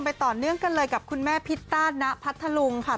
ต่อเนื่องกันเลยกับคุณแม่พิตต้าณพัทธลุงค่ะ